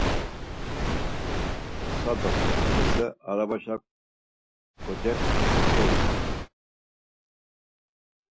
Musa do Xuse arabaşa kocext̆ey.